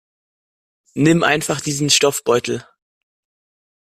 Nimm einfach diesen Stoffbeutel.